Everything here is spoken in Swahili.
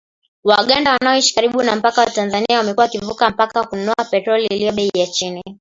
Waganda wanaoishi karibu na mpaka wa Tanzania wamekuwa wakivuka mpaka kununua petroli iliyo bei ya chini